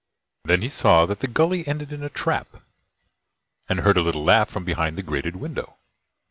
Then he saw that the Gully ended in a trap, and heard a little laugh from behind the grated window.